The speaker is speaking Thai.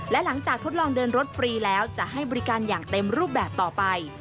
และหลังจากทดลองเดินรถฟรีแล้วจะให้บริการอย่างเต็มรูปแบบต่อไป